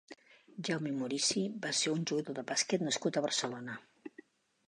Jaume Murici va ser un jugador de bàsquet nascut a Barcelona.